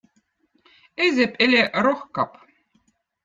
Eezep õli rohkap.